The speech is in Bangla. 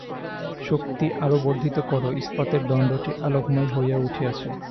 শক্তি আরও বর্ধিত কর, ইস্পাতের দণ্ডটি আলোকময় হইয়া উঠিয়াছে।